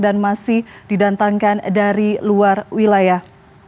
masih didatangkan dari luar wilayah